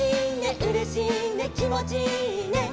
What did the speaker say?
「うれしいねきもちいいね」